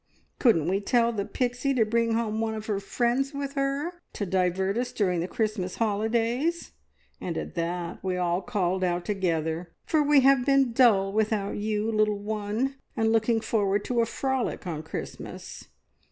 Couldn't we tell the Pixie to bring home one of her friends with her, to divert us during the Christmas holidays?' and at that we all called out together, for we have been dull without you, little one, and looking forward to a frolic on Christmas.